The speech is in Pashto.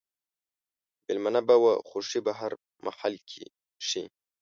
مېلمنه به وه خوښي په هر محل کښي